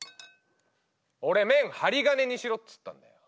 俺麺ハリガネにしろっつったんだよ。